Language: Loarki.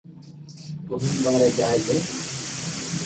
گومين ٻاري جائي جي